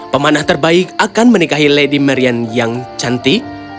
pemanah terbaik akan menikahi lady marian yang cantik